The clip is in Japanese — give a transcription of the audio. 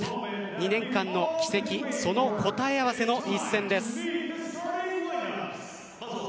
２年間の軌跡の答え合わせの一戦です。